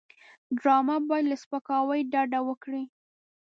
ډرامه باید له سپکاوي ډډه وکړي